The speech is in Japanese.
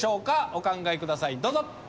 お考え下さいどうぞ。